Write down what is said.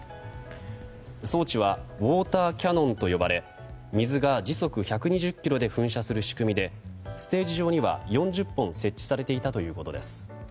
装置はウォーターキャノンと呼ばれ水が時速１２０キロで噴射する仕組みでステージ上には４０本設置されていたということです。